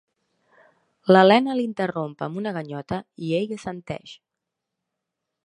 L'Elena l'interromp amb una ganyota i ell assenteix.